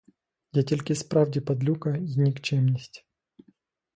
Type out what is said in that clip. Я тільки справді падлюка й нікчемність.